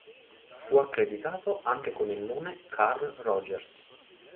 Fu accreditato anche con il nome Carl Rogers.